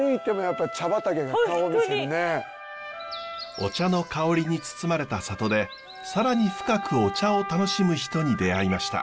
お茶の香りに包まれた里で更に深くお茶を楽しむ人に出会いました。